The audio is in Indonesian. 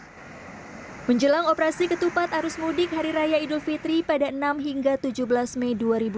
hai menjelang operasi ketupat arus mudik hari raya idul fitri pada enam hingga tujuh belas mei dua ribu dua puluh satu